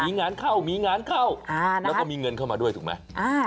มีงานเข้ามีงานเข้าแล้วก็มีเงินเข้ามาด้วยถูกไหม